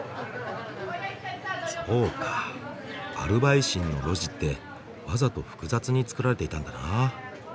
そうかアルバイシンの路地ってわざと複雑に造られていたんだな。